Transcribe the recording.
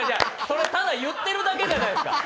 それ、ただ言っているだけじゃないですか。